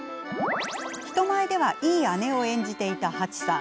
人前ではいい姉を演じていた、はちさん。